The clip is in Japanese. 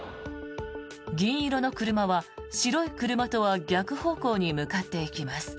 銀色の車は白い車とは逆方向に向かっていきます。